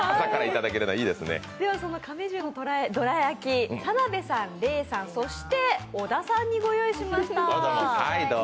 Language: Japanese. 亀十のどら焼き田辺さん、レイさんそして小田さんにご用意しました。